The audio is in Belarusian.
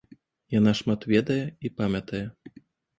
Яна шмат ведае і памятае.